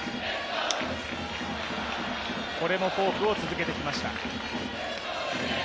これもフォークを続けてきました。